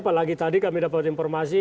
apalagi tadi kami dapat informasi